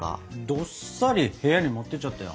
どっさり部屋に持っていっちゃったよ。